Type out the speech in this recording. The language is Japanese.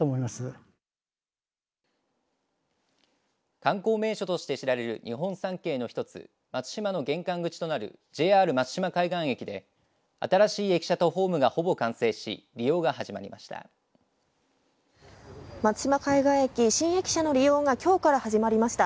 観光名所として知られる日本三景の一つ松島の玄関口となるＪＲ松島海岸駅で新しい駅舎とホームがほぼ完成し利用が始まりました。